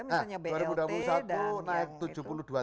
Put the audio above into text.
nah dua ribu dua puluh satu naik